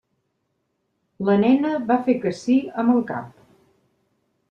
La nena va fer que sí amb el cap.